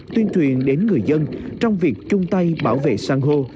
tuyên truyền đến người dân trong việc chung tay bảo vệ san hô